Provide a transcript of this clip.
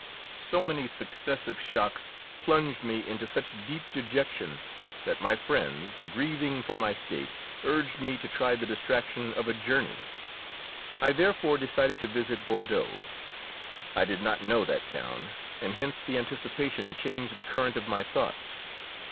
So many successive shocks plunged me into such deep dejection that my friends, grieving for my state, urged me to try the distraction of a journey. I therefore decided to visit Bordeaux. I did not know that town, and hence the anticipation changed the current of my thoughts.